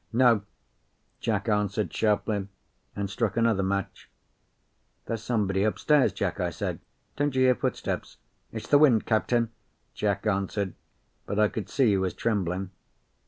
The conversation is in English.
"No," Jack answered sharply, and struck another match. "There's somebody upstairs, Jack," I said. "Don't you hear footsteps?" "It's the wind, captain," Jack answered; but I could see he was trembling.